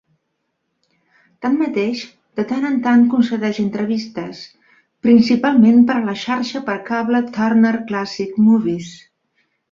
Tanmateix, de tant en tant concedeix entrevistes, principalment per a la xarxa per cable Turner Classic Movies.